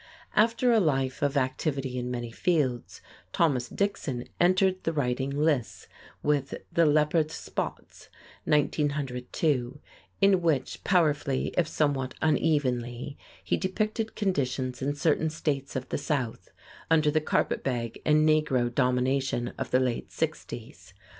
HUGHES IN THEIR LONG ISLAND HOME] After a life of activity in many fields, Thomas Dixon entered the writing lists with "The Leopard's Spots" (1902), in which, powerfully if somewhat unevenly, he depicted conditions in certain states of the South under the carpet bag and negro domination of the late sixties.